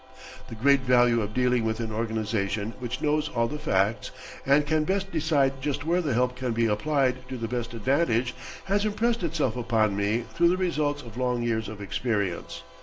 The great value of dealing with an organization which knows all the facts, and can best decide just where the help can be applied to the best advantage, has impressed itself upon me through the results of long years of experience.